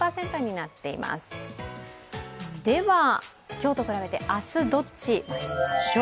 今日と比べて明日どっち、どうでしょう。